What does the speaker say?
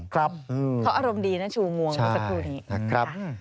เพราะอารมณ์ดีนะชูงวงสักครู่นี้